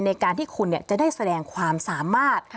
ในการที่คุณจะได้แสดงความสามารถ